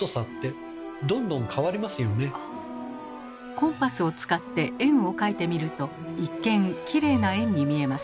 コンパスを使って円を描いてみると一見きれいな円に見えます。